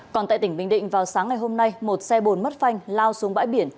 còn tại tỉnh bình định vào sáng ngày hôm nay một xe bồn mất phanh lao xuống bãi biển